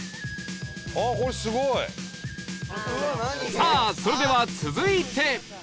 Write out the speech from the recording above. さあそれでは続いて